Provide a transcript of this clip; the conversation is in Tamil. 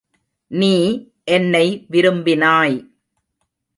நீ என்னை விரும்பினாய்.